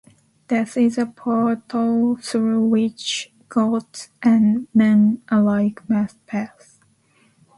Death is a portal through which gods and men alike must pass.